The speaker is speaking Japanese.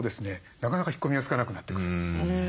なかなか引っ込みがつかなくなってくるんです。